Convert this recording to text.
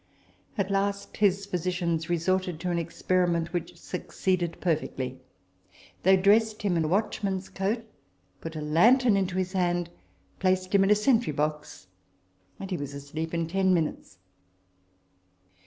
At last his physicians resorted to an experiment which succeeded perfectly : they dressed him in a watch man's coat, put a lantern into his hand, placed him in a sentry box, and he was asleep in ten minutes."